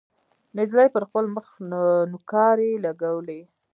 نجلۍ پر خپل مخ نوکارې لګولې.